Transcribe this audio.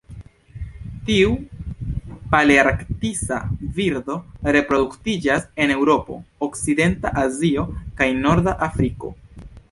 Tiu palearktisa birdo reproduktiĝas en Eŭropo, okcidenta Azio kaj norda Afriko.